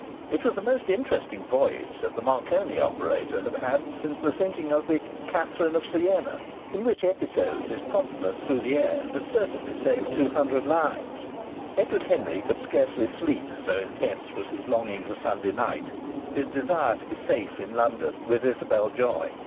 (It was the most interesting voyage that the Marconi operator had had since the sinking of the Catherine of Siena, in which episode his promptness through the air had certainly saved two hundred lives.) Edward Henry could scarcely sleep, so intense was his longing for Sunday night his desire to be safe in London with Isabel Joy!